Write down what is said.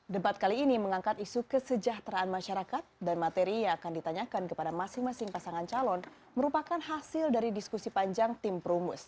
debat kali ini mengangkat isu kesejahteraan masyarakat dan materi yang akan ditanyakan kepada masing masing pasangan calon merupakan hasil dari diskusi panjang tim perumus